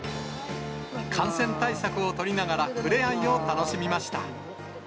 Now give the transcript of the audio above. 感染対策を取りながら、ふれあいを楽しみました。